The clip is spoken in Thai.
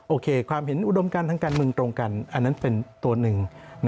โอเคความเห็นอุดมการทางการเมืองตรงกันอันนั้นเป็นตัวหนึ่ง